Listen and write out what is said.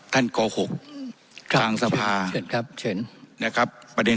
คำถามบรรณาทุกเขาครับ